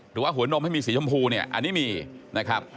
หรือว่าหัวนมให้มีสีชมพูเนี่ยอันนี้มีนะครับ